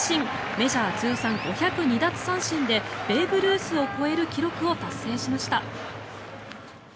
メジャー通算５０２奪三振でベーブ・ルースを超える記録を達成しました。